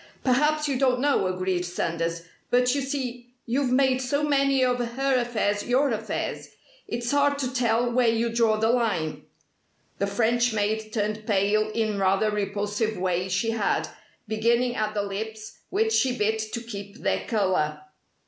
"Perhaps you don't know," agreed Sanders. "But you see, you've made so many of her affairs your affairs, it's hard to tell where you draw the line." The French maid turned pale in rather a repulsive way she had, beginning at the lips, which she bit to keep their colour.